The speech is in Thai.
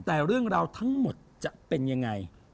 แต่เรื่องราวทั้งหมดจะเป็นยังไง